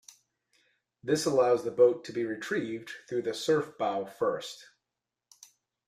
This allows the boat to be retrieved through the surf bow first.